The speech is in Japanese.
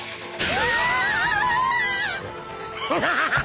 グハハハハ！